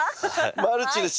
マルチです。